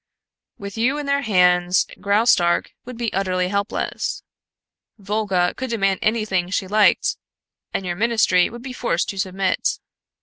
"With you in their hands, Graustark would be utterly helpless. Volga could demand anything she liked, and your ministry would be forced to submit."